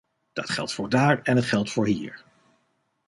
Dat geldt voor daar en het geldt voor hier.